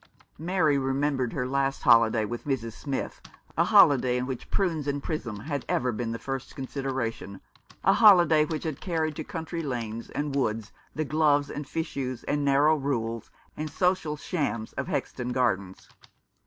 Mary remembered her last holiday with Mrs. Smith, a holiday in which prunes and prism had ever been the first consideration, a holiday which had carried to country lanes and woods the gloves and fichus, and narrow rules, and social shams of Hexton Gardens.